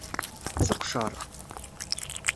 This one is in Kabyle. Seqcer.